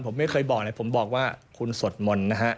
ผมไม่เคยบอกเลยผมบอกว่าคุณสวดมนต์นะฮะ